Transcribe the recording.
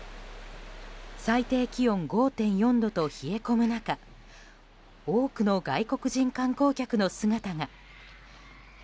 最低気温５．４度と冷え込む中多くの外国人観光客の姿が。